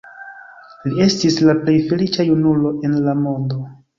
Li estis la plej feliĉa junulo en la mondo.